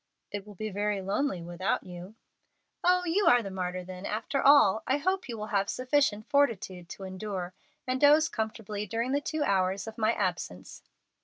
"It will be very lonely without you." "Oh, you are the martyr then, after all. I hope you will have sufficient fortitude to endure, and doze comfortably during the two hours of my absence."